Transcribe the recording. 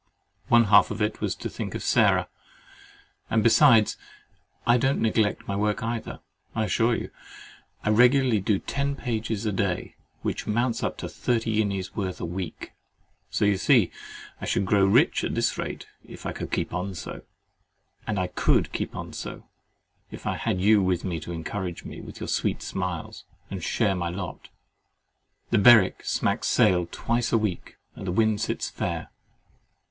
One half of it was to think of Sarah: and besides, I do not neglect my work either, I assure you. I regularly do ten pages a day, which mounts up to thirty guineas' worth a week, so that you see I should grow rich at this rate, if I could keep on so; AND I COULD KEEP ON SO, if I had you with me to encourage me with your sweet smiles, and share my lot. The Berwick smacks sail twice a week, and the wind sits fair.